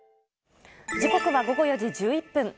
時刻は午後４時１１分。